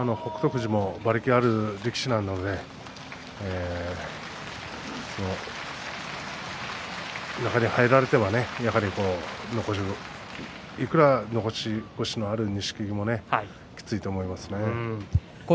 富士も馬力のある力士なので中に入られては、やはりいくら残し腰がある錦木もきついと思いますね。